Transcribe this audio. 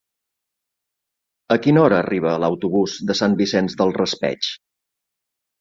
A quina hora arriba l'autobús de Sant Vicent del Raspeig?